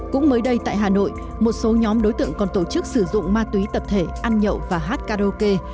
cũng mới đây tại hà nội một số nhóm đối tượng còn tổ chức sử dụng ma túy tập thể ăn nhậu và hát karaoke